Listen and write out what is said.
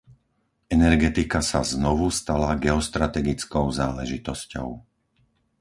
Energetika sa znovu stala geostrategickou záležitosťou.